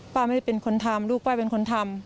ป้าไม่ได้เป็นคนทำลูกป้าเป็นคนทำ